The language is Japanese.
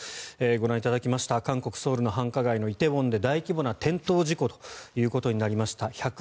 ご覧いただきました韓国ソウルの繁華街、梨泰院で大規模な転倒事故ということになりました。